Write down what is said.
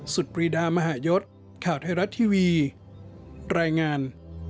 ปรีดามหายศข่าวไทยรัฐทีวีรายงาน